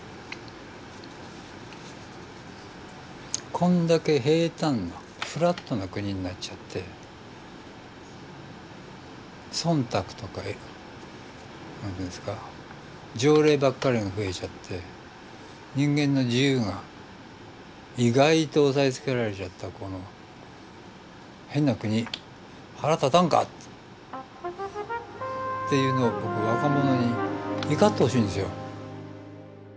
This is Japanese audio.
こんだけ平たんなフラットな国になっちゃって忖度とか何ていうんですか条例ばっかりが増えちゃって人間の自由が意外と抑えつけられちゃったこの変な国腹立たんか！っていうのを僕若者に怒ってほしいんですよ。